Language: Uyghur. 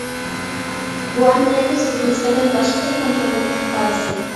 بۇ ئەمەلىيەتتە سىزگە نىسبەتەن باشقىچە كونتروللۇقنىڭ ئىپادىسى.